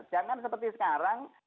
jangan seperti sekarang